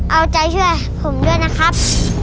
เอาใจช่วยผมด้วยนะครับ